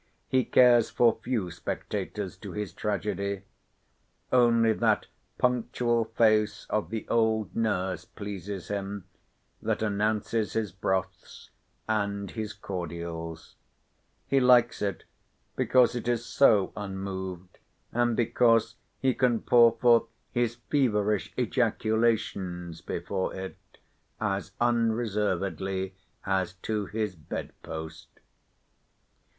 He cares for few spectators to his tragedy. Only that punctual face of the old nurse pleases him, that announces his broths, and his cordials. He likes it because it is so unmoved, and because he can pour forth his feverish ejaculations before it as unreservedly as to his bed post.